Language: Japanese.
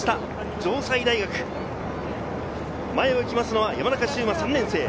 城西大学、前を行くのは山中秀真・３年生。